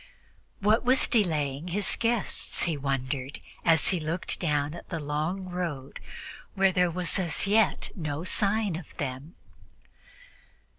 What was delaying his guests? he wondered, as he looked down the long road, where there was as yet no sign of them.